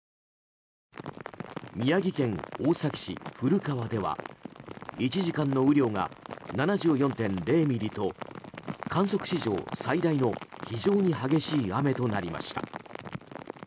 宮城県大崎市、古川では１時間の雨量が７４．０ミリと観測史上最大の非常に激しい雨となりました。